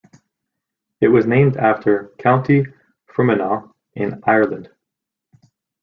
It was named after County Fermanagh in Ireland.